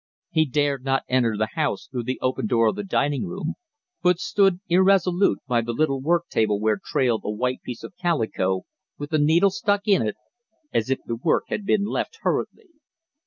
He dared not enter the house through the open door of the dining room, but stood irresolute by the little work table where trailed a white piece of calico, with a needle stuck in it, as if the work had been left hurriedly.